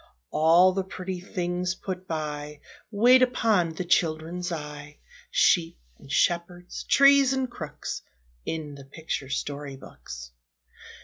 All the pretty things put by, Wait upon the children's eye, Sheep and shepherds, trees and crooks, In the picture story books.